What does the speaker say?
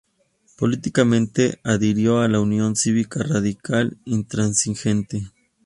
Políticamente adhirió a la Unión Cívica Radical Intransigente.